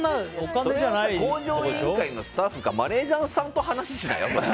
「向上委員会」のスタッフかマネジャーさんと話しなよ。